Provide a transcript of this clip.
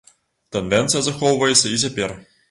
Тэндэнцыя захоўваецца і цяпер.